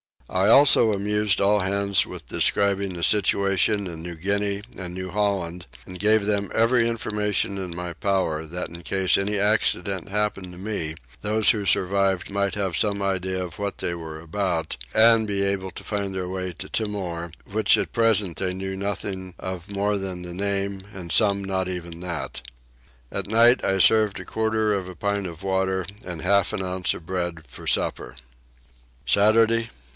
I also amused all hands with describing the situation of New Guinea and New Holland, and gave them every information in my power that in case any accident happened to me those who survived might have some idea of what they were about, and be able to find their way to Timor, which at present they knew nothing of more than the name and some not even that. At night I served a quarter of a pint of water and half an ounce of bread for supper. (*Footnote. It weighed 272 grains.) Saturday 9.